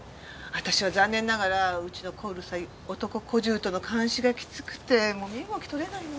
私は残念ながらうちの小うるさい男小姑の監視がきつくてもう身動きとれないのよ。